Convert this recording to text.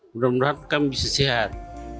mudah mudahan kami bisa sehat